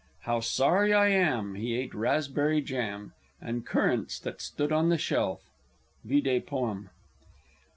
_ "How sorry I am, He ate raspberry jam, And currants that stood on the shelf!" _Vide Poem.